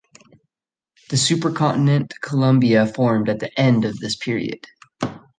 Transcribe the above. The supercontinent Columbia formed at the end of this period.